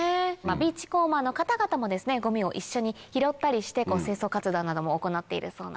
ビーチコーマーの方々もゴミを一緒に拾ったりして清掃活動なども行っているそうなんです。